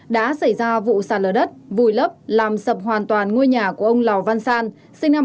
đã xảy ra vụ sạt lở đất vùi lấp làm sập hoàn toàn ngôi nhà của ông lò văn san sinh năm một nghìn chín trăm tám